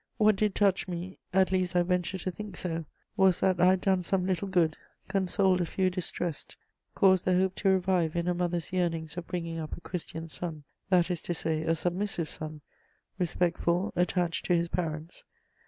What did touch me, at least I venture to think so, was that I had done some little good, consoled a few distressed, caused the hope to revive in a mother's yearnings of bringing up a Christian son: that is to say, a submissive son, respectful, attached to his parents.